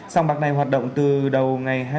sòng bạc này hoạt động từ đầu ngày